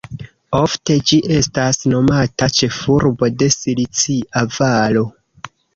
Ofte ĝi estas nomata "ĉefurbo de Silicia Valo.